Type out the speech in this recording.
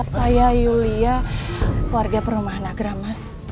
saya yuliya keluarga perumahan agra mas